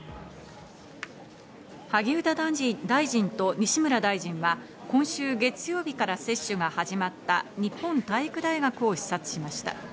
萩生田大臣と西村大臣は、今週月曜日から接種が始まった日本体育大学を視察しました。